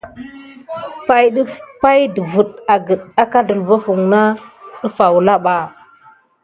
Pay ɗəfiŋ agəte titiré naku negəlke ikil kulan va kirzel adawuteki va.